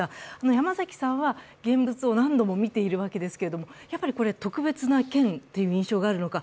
山崎さんは現物を何度も見ているわけですけれども、やっぱりこれ、特別な剣という印象があるのか。